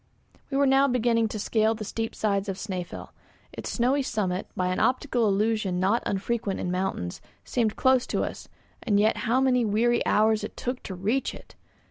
We were now beginning to scale the steep sides of Snæfell. Its snowy summit, by an optical illusion not unfrequent in mountains, seemed close to us, and yet how many weary hours it took to reach it!